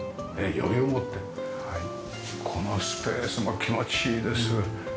余裕を持ってこのスペースも気持ちいいです。